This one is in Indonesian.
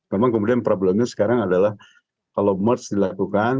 memang kemudian problemnya sekarang adalah kalau merge dilakukan